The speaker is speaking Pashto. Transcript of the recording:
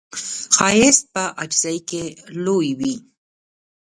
ښایست په عاجزۍ کې لوی وي